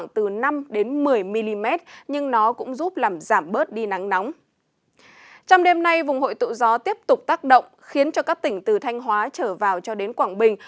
trong đêm nay vùng hội tụ gió tiếp tục tác động khiến cho các tỉnh từ thanh hóa trở vào cho đến quảng bình